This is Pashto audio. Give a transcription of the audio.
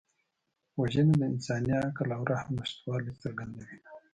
وژنه د انساني عقل او رحم نشتوالی څرګندوي